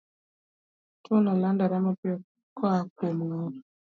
Tuwono landore mapiyo koa kuom ng'ato